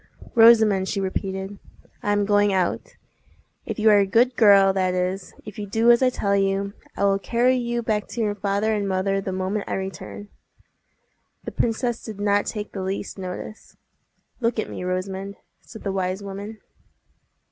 "Rosamond," she repeated, "I am going out. If you are a good girl, that is, if you do as I tell you, I will carry you back to your father and mother the moment I return." The princess did not take the least notice. "Look at me, Rosamond," said the wise woman.